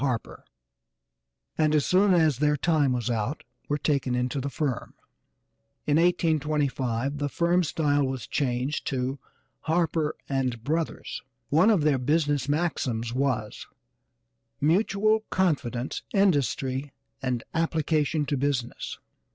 Harper and, as soon as their time was out, were taken into the firm. In 1825 the firm style was changed to Harper & Brothers. One of their business maxims was, "Mutual confidence, industry and application to business."